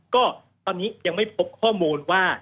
ก็ตอนนี้ยังไม่พบข้อมูลว่า